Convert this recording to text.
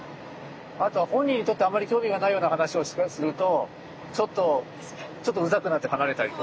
あとは本人にとってあんまり興味がないような話をするとちょっとちょっとうざくなって離れたりとか。